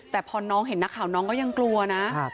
แต่พอน้องเห็นนักข่าวน้องก็ยังกลัวนะ